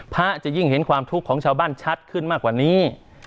พระจะยิ่งเห็นความทุกข์ของชาวบ้านชัดขึ้นมากกว่านี้